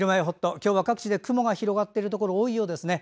今日は各地で雲が広がっているところが多いようですね。